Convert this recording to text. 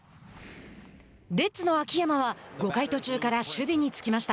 レッズの秋山は５回途中から守備につきました。